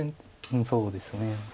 そうですね。